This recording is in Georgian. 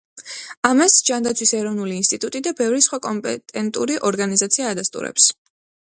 ამას, ჯანდაცვის ეროვნული ინსტიტუტი და ბევრი სხვა კომპეტენტური ორგანიზაცია ადასტურებს.